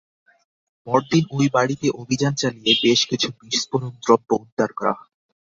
পরদিন ওই বাড়িতে অভিযান চালিয়ে বেশ কিছু বিস্ফোরক দ্রব্য উদ্ধার করা হয়।